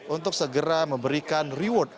untuk segera memberikan reward